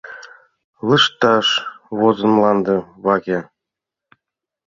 Лышташ возын мланде ваке, -